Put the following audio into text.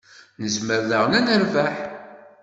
Nezmer daɣen ad nerbeḥ.